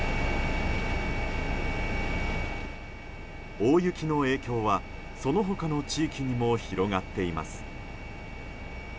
大雪の影響はその他の地域にも広がっています。